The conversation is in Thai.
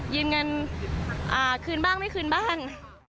ยืมเงินคืนบ้างไม่คืนบ้าง